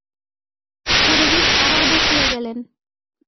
পুরোহিত আবার বকিয়া গেলেন।